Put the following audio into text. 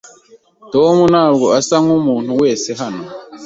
Tom ntabwo asa nkumuntu wese hano.